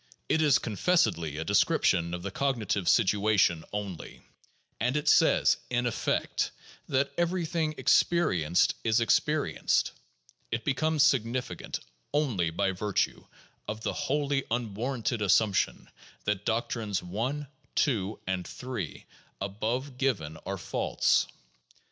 It is confessedly a description of the cog nitive situation only; and it says, in effect, that everything experi enced is experienced. It becomes significant only by virtue of the wholly unwarranted assumption that doctrines 1, 2, and 3, above given, are false.